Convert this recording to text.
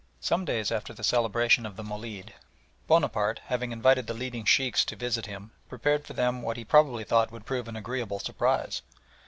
Some days after the celebration of the Molid, Bonaparte, having invited the leading Sheikhs to visit him, prepared for them what he probably thought would prove an agreeable surprise.